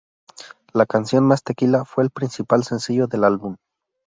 La canción "Mas Tequila" fue el principal sencillo del álbum.